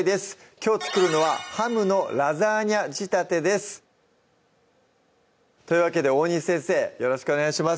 きょう作るのは「ハムのラザーニャ仕立て」ですというわけで大西先生よろしくお願いします